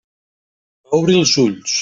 Va obrir els ulls.